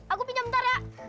aku pinjam bentar ya